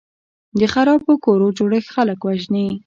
د خرابو کورو جوړښت خلک وژني.